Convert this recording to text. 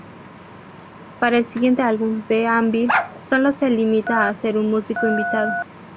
Para el siguiente álbum, "The Anvil", sólo se limita a ser un músico invitado.